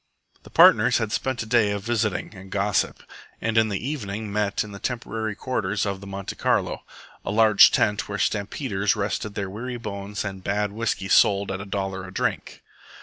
The partners had spent a day of visiting and gossip, and in the evening met in the temporary quarters of the Monte Carlo a large tent were stampeders rested their weary bones and bad whisky sold at a dollar a drink.